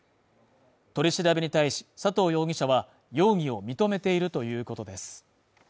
取り調べに対し佐藤容疑者は容疑を認めているということです。